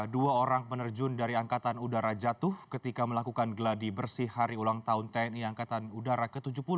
dua orang penerjun dari angkatan udara jatuh ketika melakukan geladi bersih hari ulang tahun tni angkatan udara ke tujuh puluh